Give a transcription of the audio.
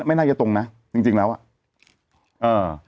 ไม่น่าจะตรงนะจริงจริงแล้วอ่ะเออ